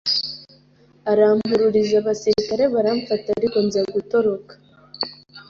arampururiza abasirikare baramfata ariko nza gutoroka